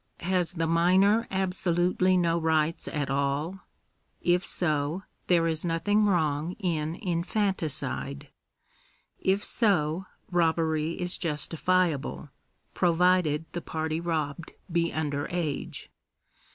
Has the minor absolutely no rights at all ?. If so, there is nothing wrong in infanticide. If so, robbery is justifiable, provided the party robbed be under age.